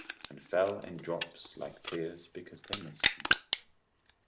And fell in drops like tears because they missed him.